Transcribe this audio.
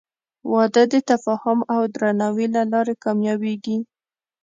• واده د تفاهم او درناوي له لارې کامیابېږي.